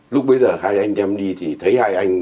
lúc bây giờ hai anh em đi thì thấy hai anh